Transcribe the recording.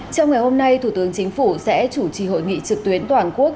trong ngày hôm nay thủ tướng chính phủ sẽ chủ trì hội nghị trực tuyến toàn quốc